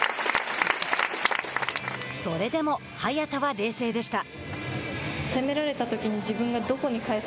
それでも早田は冷静でした。